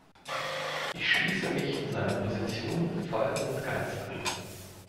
Ich schließe mich seiner Position voll und ganz an.